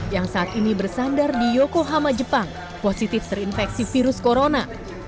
yang saat ini bersandar di yokohama jepang positif terinfeksi virus corona